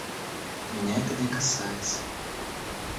Меня это не касается.